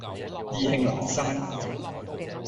意興闌珊